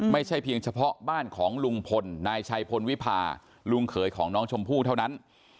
ไม่ใช่เพียงเฉพาะบ้านของลุงพลนายชัยพลวิพาลุงเขยของน้องชมพู่เท่านั้น